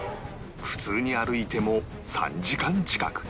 普通に歩いても３時間近く